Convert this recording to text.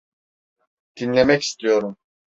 Dinlemek istiyorum.